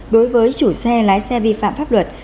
đối với chủ xe lái xe vi phạm pháp luật